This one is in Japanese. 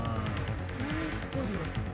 何してるの？